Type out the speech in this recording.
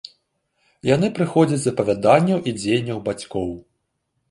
Яны прыходзяць з апавяданняў і дзеянняў бацькоў.